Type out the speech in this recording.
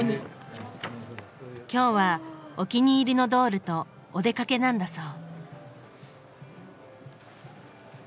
今日はお気に入りのドールとお出かけなんだそう。